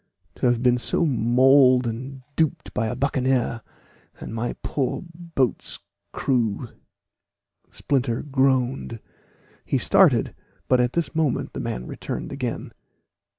To have been so mauled and duped by a buccaneer; and my poor boat's crew " Splinter groaned. He started but at this moment the man returned again.